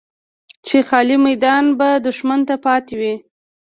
چې خالي میدان به دښمن ته پاتې وي.